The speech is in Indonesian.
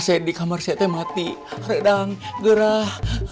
saya dikamar kita matik redang gerah